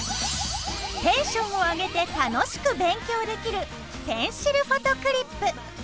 テンションを上げて楽しく勉強できるペンシルフォトクリップ。